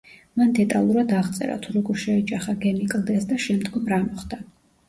მან დეტალურად აღწერა, თუ როგორ შეეჯახა გემი კლდეს და შემდგომ რა მოხდა.